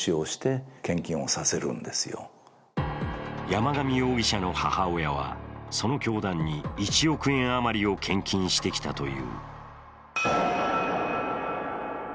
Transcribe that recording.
山上容疑者の母親はその教団に１億円あまりを献金してきたという。